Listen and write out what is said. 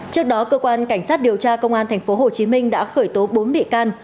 trước đó cơ quan cảnh sát điều tra công an tp hcm đã khởi tố bốn bị can